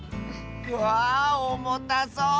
わあおもたそう。